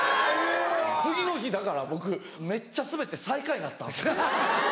次の日だから僕めっちゃスベって最下位になったんですよ。